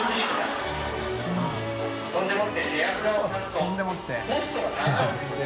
そんでもって」